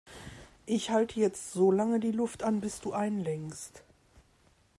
Ich halte jetzt so lange die Luft an, bis du einlenkst.